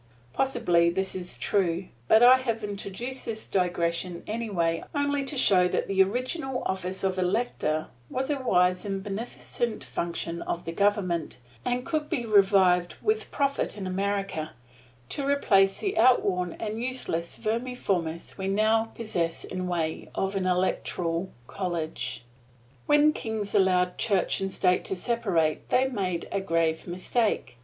Possibly this is true, but I have introduced this digression, anyway, only to show that the original office of elector was a wise and beneficent function of the Government, and could be revived with profit in America, to replace the outworn and useless vermiformis that we now possess in way of an electoral college. When Kings allowed Church and State to separate they made a grave mistake.